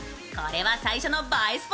これは最初の映え